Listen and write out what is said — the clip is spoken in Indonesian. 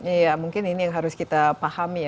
iya mungkin ini yang harus kita pahami ya